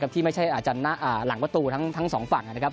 ที่ไม่ใช่อาจจะหลังประตูทั้งสองฝั่งนะครับ